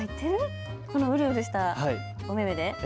このうるうるしたお目々で？